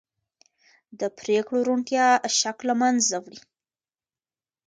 د پرېکړو روڼتیا شک له منځه وړي